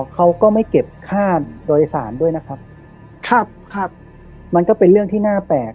เขาก็ไม่เก็บค่าโดยสารด้วยนะครับครับครับมันก็เป็นเรื่องที่น่าแปลก